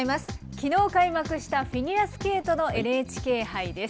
きのう開幕したフィギュアスケートのＮＨＫ杯です。